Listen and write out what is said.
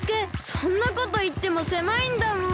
そんなこといってもせまいんだもん。